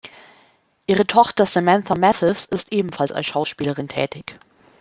Ihre Tochter Samantha Mathis ist ebenfalls als Schauspielerin tätig.